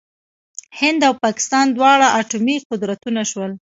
هند او پاکستان دواړه اټومي قدرتونه شول.